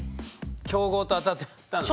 強豪と当たっちゃったんだね。